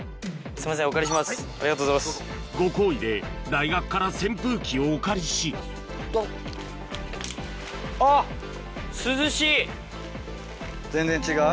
そこでご厚意で大学から扇風機をお借りし全然違う？